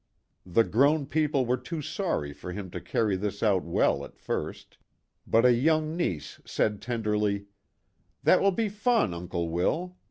The grown people were too sorry for him to carry out this well at first, but a young niece said tenderly :" That will be fun, Uncle Will.